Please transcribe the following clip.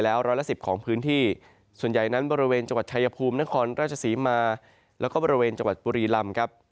แบบนี้ส่วนใหญ่นั้นบริเวณจังหวัดไชยภูมินครราชสีมาปฏิเสีย๐